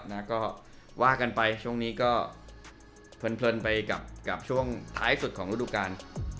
แล้วว่ากันไปช่วงนี้เพลินไปกับช่วงท้ายสุดของรูดการ